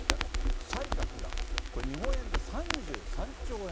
負債額がこれ、日本円で３３兆円。